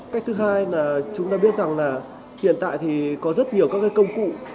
cách thứ hai là chúng ta biết rằng là hiện tại thì có rất nhiều các cái công cụ